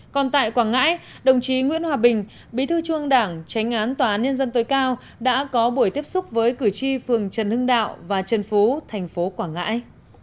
còn tại quảng ngãi đồng chí nguyễn hòa bình bí thư trung ương đảng tránh án tòa án nhân dân tối cao đã có buổi tiếp xúc với cử tri phường trần hưng đạo và trần phú thành phố quảng ngãi